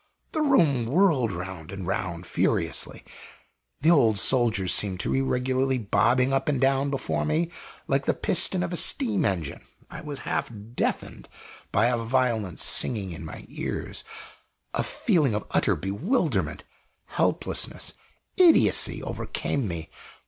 The room whirled round and round furiously; the old soldier seemed to be regularly bobbing up and down before me like the piston of a steam engine. I was half deafened by a violent singing in my ears; a feeling of utter bewilderment, helplessness, idiocy, overcame me.